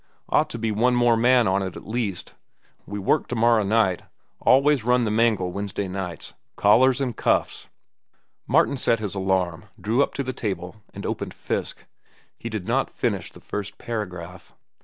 Ought to be one more man on it at least. We work to morrow night. Always run the mangle Wednesday nights—collars an' cuffs." Martin set his alarm, drew up to the table, and opened Fiske. He did not finish the first paragraph.